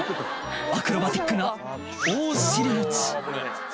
アクロバティックな大尻もち